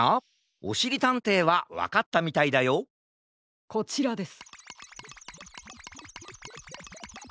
おしりたんていはわかったみたいだよこちらです。